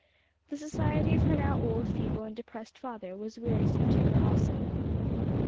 The society of her now old, feeble, and depressed father was wearisome to her also.